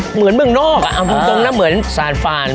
เหมือนเมืองนอกเอาตรงนะเหมือนสานฟาน